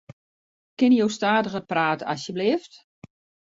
Kinne jo stadiger prate asjebleaft?